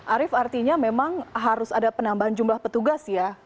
arief artinya memang harus ada penambahan jumlah petugas ya